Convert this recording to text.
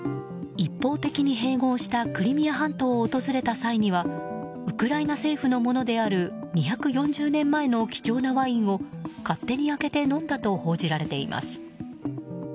一方的に併合したクリミア半島を訪れた際にはウクライナ政府のものである２４０年前の貴重なワインを勝手に開けて飲んだと報じられています。